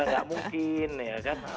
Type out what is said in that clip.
enggak mungkin ya kan